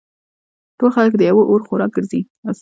ټول خلک د یوه اور خوراک ګرځي او سوزي